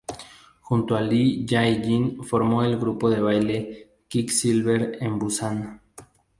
Junto a Lee Jai-jin formó el grupo de baile "Quicksilver" en Busan.